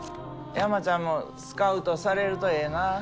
山ちゃんもスカウトされるとええなあ。